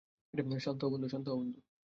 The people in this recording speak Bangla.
শান্ত হ, বন্ধু।